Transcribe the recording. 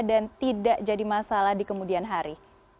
dan tidak jadi masalah di kemudian hari